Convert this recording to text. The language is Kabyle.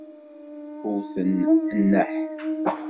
Wten nneḥ.